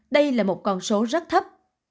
đây là một con số rất thấp